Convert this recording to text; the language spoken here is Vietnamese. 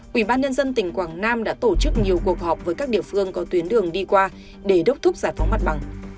quỹ ban nhân dân tỉnh quảng nam đã tổ chức nhiều cuộc họp với các địa phương có tuyến đường đi qua để đốc thúc giải phóng mặt bằng